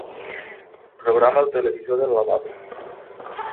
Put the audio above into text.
Programa el televisor del lavabo.